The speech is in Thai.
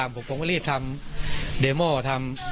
เพลงที่สุดท้ายเสียเต้ยมาเสียชีวิตค่ะ